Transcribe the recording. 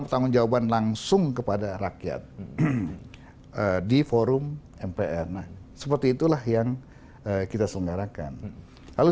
pertanggung jawaban langsung kepada rakyat di forum mpr nah seperti itulah yang kita selenggarakan lalu